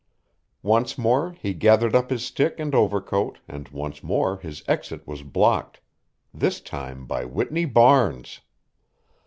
Once more he gathered up his stick and overcoat and once more his exit was blocked this time by Whitney Barnes.